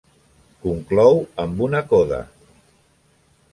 Conclou amb una coda.